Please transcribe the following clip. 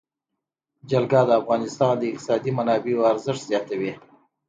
جلګه د افغانستان د اقتصادي منابعو ارزښت زیاتوي.